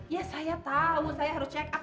ya saya tahu saya harus check up